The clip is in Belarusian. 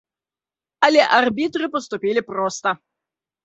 Але арбітры паступілі проста.